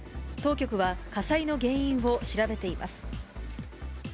当局は、火災の原因を調べています。